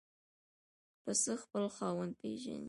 پسه خپل خاوند پېژني.